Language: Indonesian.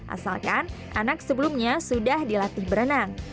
asalkan anak sebelumnya sudah dilatih berenang